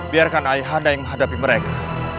biarkan ayahanda yang menghadapi mereka